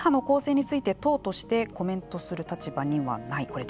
会派の構成について党としてコメントする立場にはない。